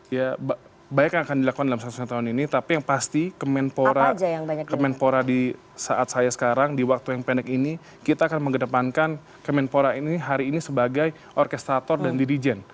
ya banyak yang akan dilakukan dalam satu setengah tahun ini tapi yang pasti kemenpora di saat saya sekarang di waktu yang pendek ini kita akan mengedepankan kemenpora ini hari ini sebagai orkestrator dan dirijen